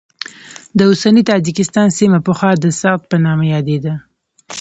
د اوسني تاجکستان سیمه پخوا د سغد په نامه یادېده.